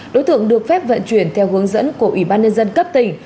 đối tượng được phép vận chuyển theo hướng dẫn của ủy ban nhân dân cấp tỉnh